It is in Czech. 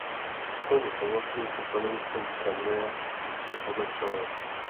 Plně souhlasím se stanoviskem zpravodaje, že podle čl.